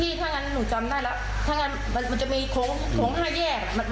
ถ้างั้นหนูจำได้แล้วถ้างั้นมันจะมีโค้งห้าแยก